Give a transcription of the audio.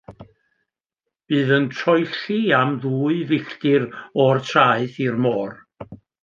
Bydd yn troelli am ddwy filltir o'r traeth i'r môr.